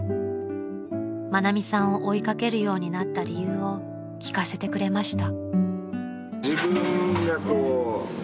［愛美さんを追い掛けるようになった理由を聞かせてくれました］